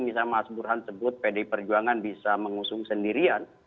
misalnya mas burhan sebut pdi perjuangan bisa mengusung sendirian